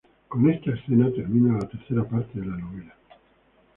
Con esta escena termina la tercera parte de la novela.